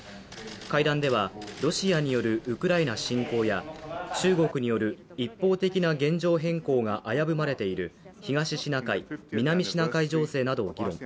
会談では、ロシアによるウクライナ侵攻や中国による一方的な現状変更が危ぶまれている東シナ海、南シナ海情勢などを議論。